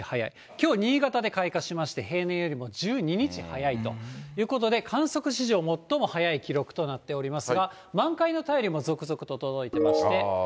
きょう、新潟で開花しまして、平年よりも１２日早いということで、観測史上最も早い記録となっておりますが、満開の便りも続々と届いてまして。